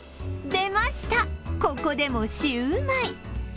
出ました、ここでもシューマイ。